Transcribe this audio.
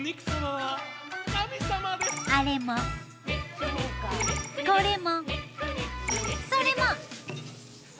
あれもこれもそれも！